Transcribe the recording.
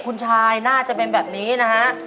คุณชายน่าจะเป็นแบบนี้นะฮะ